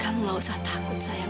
kamu ga usah takut sayang